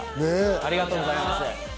ありがとうございます。